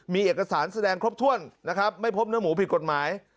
มีเอกสารแสดงครบถ้วนไม่พบน้ำหมูผิดกฎหมาย